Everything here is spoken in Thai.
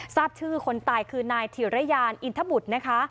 ทราบชื่อคนตายคือนายธิรยานอินทบุตรนะคะ